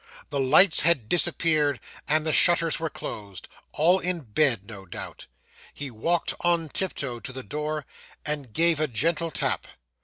The lights had disappeared, and the shutters were closed all in bed, no doubt. He walked on tiptoe to the door, and gave a gentle tap.